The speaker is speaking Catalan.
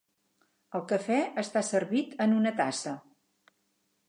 El cafè està servit en una tassa.